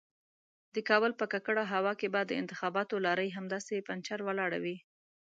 د کابل په ککړه هوا کې به د انتخاباتو لارۍ همداسې پنجر ولاړه وي.